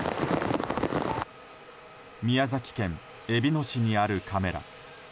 宮崎県えびの市にあるカメラ。